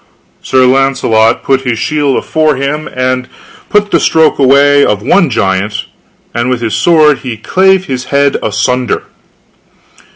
Sir Launcelot put his shield afore him, and put the stroke away of the one giant, and with his sword he clave his head asunder.